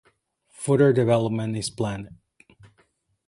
Further development is planned.